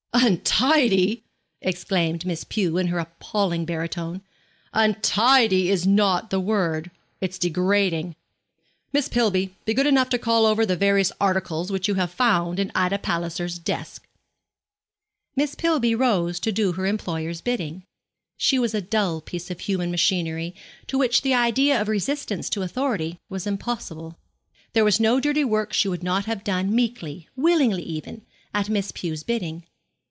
'Untidy!' exclaimed Miss Pew, in her appalling baritone; 'untidy is not the word. It's degrading. Miss Pillby, be good enough to call over the various articles which you have found in Ida Palliser's desk.' Miss Pillby rose to do her employer's bidding. She was a dull piece of human machinery to which the idea of resistance to authority was impossible. There was no dirty work she would not have done meekly, willingly even, at Miss Pew's bidding.